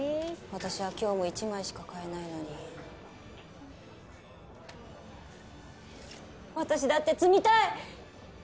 私は今日も１枚しか買えないのに私だって積みたい！